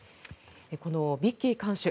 このビッキー看守